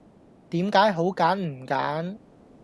點解好揀唔揀